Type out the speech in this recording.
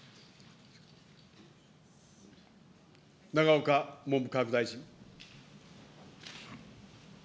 永岡文部科学大臣。